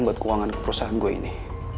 buat keuangan perusahaan gue ini